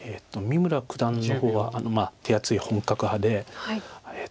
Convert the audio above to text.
三村九段の方は手厚い本格派で。